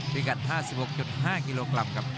พิกัด๕๖๕กิโลกรัมครับ